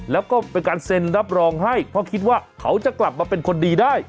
แล้วก็เป็นการเซ็นรับรองให้เพราะคิดว่าเขาจะกลับมาเป็นคนดีได้